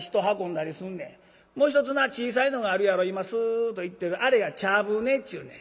もう一つな小さいのがあるやろ今スッと行ってるあれが茶船っちゅうねん。